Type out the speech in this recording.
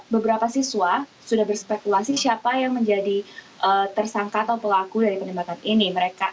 beberapa siswa sudah berspekulasi siapa yang menjadi tersangka atau pelaku dari penembakan ini